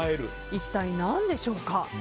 一体なんでしょうか？